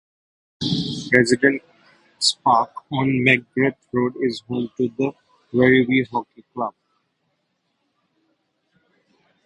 President's Park, on McGrath Road is home to the Werribee Hockey Club.